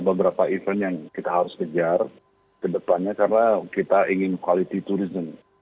beberapa event yang kita harus kejar kedepannya karena kita ingin quality tourism